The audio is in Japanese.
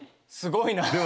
すごいな。